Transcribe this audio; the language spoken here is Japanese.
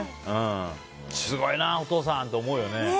すごいなお父さんって思うよね。